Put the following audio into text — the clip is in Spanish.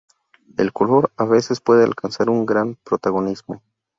El color a veces puede alcanzar un gran protagonismo.